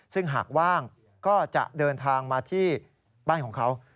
ซึ่งหากว่างก็จะเดินทางมาที่บ้านของเขา